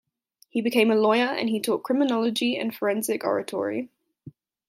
He became a lawyer and he taught criminology and forensic oratory.